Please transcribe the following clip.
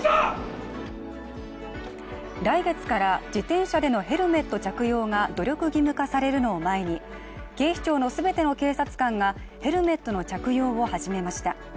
来月から、自転車でのヘルメット着用が努力義務化されるのを前に、警視庁の全ての警察官がヘルメットの着用を始めました。